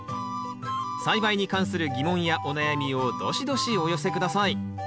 栽培に関する疑問やお悩みをドシドシお寄せください。